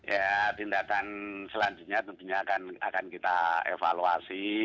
ya tindakan selanjutnya tentunya akan kita evaluasi